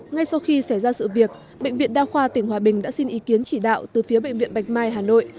ngay sau khi xảy ra sự việc bệnh viện đa khoa tỉnh hòa bình đã xin ý kiến chỉ đạo từ phía bệnh viện bạch mai hà nội